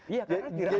iya karena tidak juga